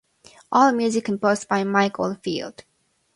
All music composed by Mike Oldfield.